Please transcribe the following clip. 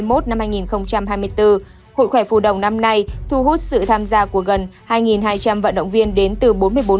hội khỏe phù đồng năm nay thu hút sự tham gia của gần hai hai trăm linh vận động viên đến từ bốn mươi bốn